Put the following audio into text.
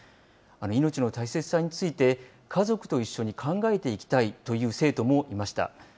命の大切さについて、家族と一緒に考えていきたいという生徒もいました。